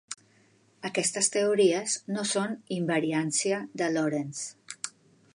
Aquestes teories no són invariància de Lorentz.